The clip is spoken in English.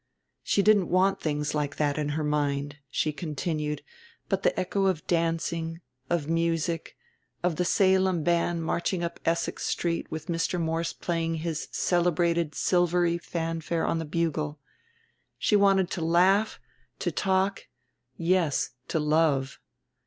She didn't want things like that in her mind, she continued, but the echo of dancing, of music, of the Salem Band marching up Essex Street with Mr. Morse playing his celebrated silvery fanfare on the bugle. She wanted to laugh, to talk, yes to love.